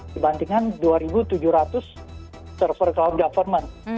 dibandingkan dua tujuh ratus server acround government